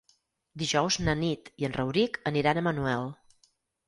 Dijous na Nit i en Rauric aniran a Manuel.